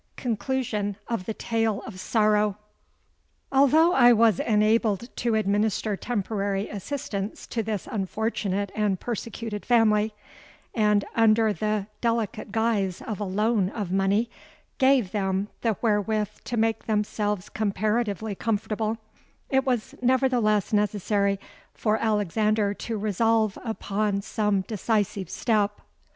CONCLUSION OF THE TALE OF SORROW. "Although I was enabled to administer temporary assistance to this unfortunate and persecuted family, and, under the delicate guise of a loan of money, gave them the wherewith to make themselves comparatively comfortable, it was nevertheless necessary for Alexander to resolve upon some decisive step.